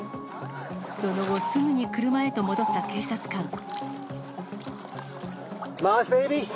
その後、すぐに車へと戻った警察官。